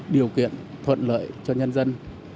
điều kiện thuận lợi cho nhân dân